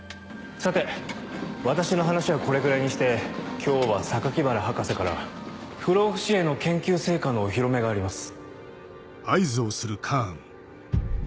さて私の話はこれぐらいにして今日は原博士から不老不死への研究成果のお披露目があります。